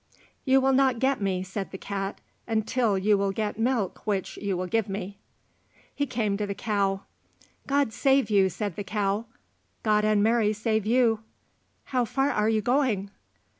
"You will not get me," said the cat, "until you will get milk which you will give me." He came to the cow. "God save you," said the cow. "God and Mary save you." "How far are you going?"